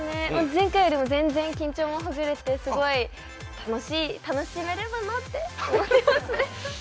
前回よりも全然、緊張もほぐれてすごい、楽しめればなと思いますね。